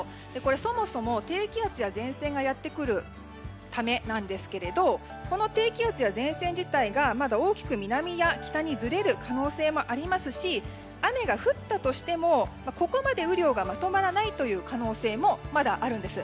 そもそも低気圧や前線がやってくるためなんですがこの低気圧や前線自体がまだ大きく、南や北にずれる可能性もありますし雨が降ったとしてもここまで雨量がまとまらない可能性もまだあるんです。